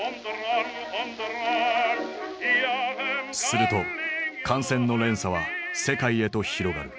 すると感染の連鎖は世界へと広がる。